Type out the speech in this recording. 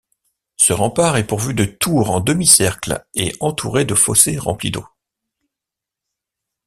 Ce rempart est pourvu de tours en demi-cercle est entouré de fossés remplis d'eau.